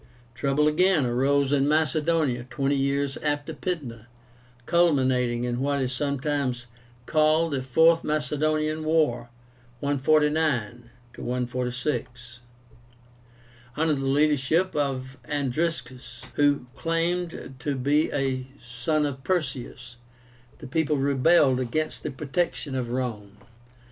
Trouble again arose in Macedonia twenty years after Pydna, culminating in what is sometimes called the FOURTH MACEDONIAN WAR (149 146). Under the leadership of ANDRISCUS, who claimed to be a son of Perseus, the people rebelled against the protection of Rome.